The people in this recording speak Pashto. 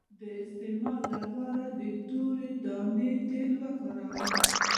د استما لپاره د تورې دانې تېل وکاروئ